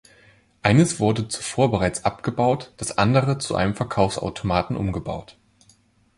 Eines wurde zuvor bereits abgebaut, das andere zu einem Verkaufsautomaten umgebaut.